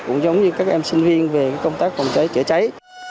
cũng giống như các em sinh viên về công tác phòng cháy chữa cháy